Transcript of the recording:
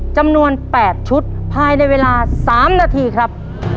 จำนวน๘ชุดภายในเวลา๓นาทีครับ